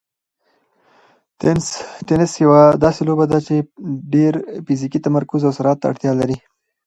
تېنس یوه داسې لوبه ده چې ډېر فزیکي تمرکز او سرعت ته اړتیا لري.